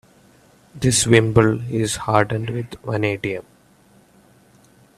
This wimble is hardened with vanadium.